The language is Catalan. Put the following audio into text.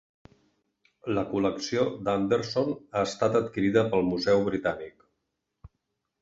La col·lecció d'Anderson ha estat adquirida pel Museu Britànic.